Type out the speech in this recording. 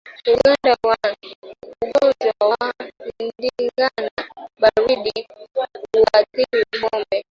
Ugonjwa wa ndigana baridi huathiri ngombe